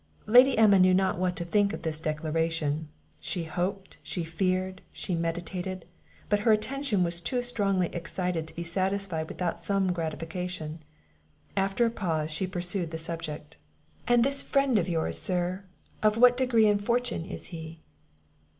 Lady Emma knew not what to think of this declaration; she hoped, she feared, she meditated; but her attention was too strongly excited to be satisfied without some gratification; After a pause, she pursued the subject. "And this friend of yours, sir, of what degree and fortune is he?"